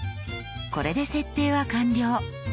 これで設定は完了。